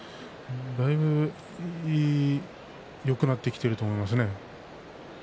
だいぶよくなってきていると思いますね。